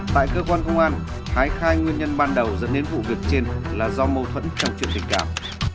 tại cơ quan công an thái khai nguyên nhân ban đầu dẫn đến vụ việc trên là do mâu thuẫn trong chuyện tình cảm